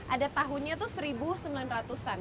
ada tahunnya tuh seribu sembilan ratus an